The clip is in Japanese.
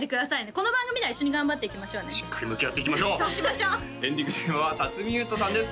この番組では一緒に頑張っていきましょうねしっかり向き合っていきましょうそうしましょうエンディングテーマは辰巳ゆうとさんです